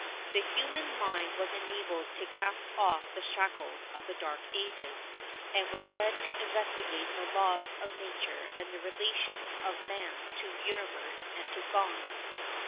The human mind was enabled to cast off the shackles of the Dark Ages, and was led to investigate the laws of nature and the relations of man to the universe and to God.